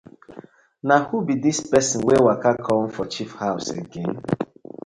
Na who bi dis pesin wey waka com for chief haws again.